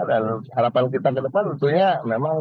dan harapan kita ke depan tentunya memang